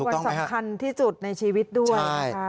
เป็นวันสำคัญที่สุดในชีวิตด้วย